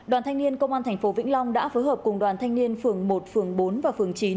đoàn thanh niên công an tp vĩnh long đã phối hợp cùng đoàn thanh niên phường một phường bốn và phường chín